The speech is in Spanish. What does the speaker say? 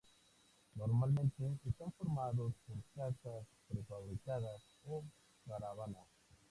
Normalmente están formados por casas prefabricadas o caravanas.